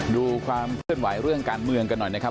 ดูความเคลื่อนไหวเรื่องการเมืองกันหน่อยนะครับ